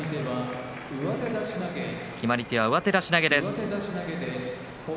決まり手は、上手出し投げです。